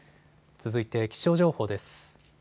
続いて気象情報です。